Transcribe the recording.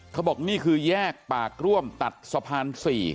เขาบอกนี่คือแยกปากร่วมตัดสะพาน๔